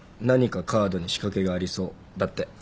「なにかカードに仕掛けがありそう」だって。